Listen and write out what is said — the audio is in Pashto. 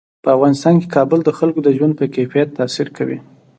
په افغانستان کې کابل د خلکو د ژوند په کیفیت تاثیر کوي.